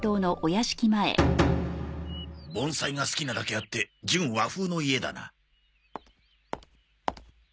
盆栽が好きなだけあって純和風の家だな。